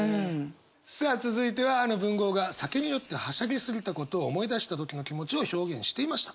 さあ続いてはあの文豪が酒に酔ってはしゃぎすぎたことを思い出した時の気持ちを表現していました。